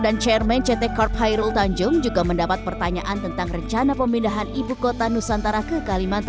bagaimana mereka berpikir tentang bagaimana mereka bisa mencapai ekonomi yang berkembang